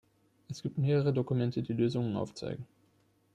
Es gibt mehrere Dokumente, die Lösungen aufzeigen.